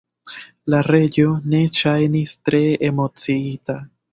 La Reĝo ne ŝajnis tre emociita.